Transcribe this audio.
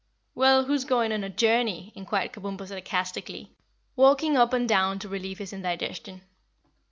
"Well, who's going on a journey?" inquired Kabumpo sarcastically, walking up and down to relieve his indigestion.